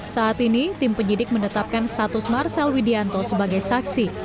saat ini tim penyidik menetapkan status marcel widianto sebagai saksi